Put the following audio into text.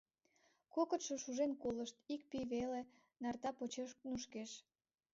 Кокытшо шужен колышт, ик пий веле нарта почеш нушкеш.